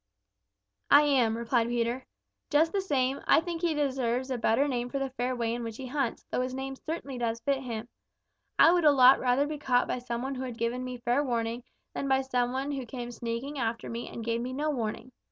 "I am," replied Peter. "Just the same, I think he deserves a better name for the fair way in which he hunts, though his name certainly does fit him. I would a lot rather be caught by some one who had given me fair warning than by some one who came sneaking after me and gave me no warning.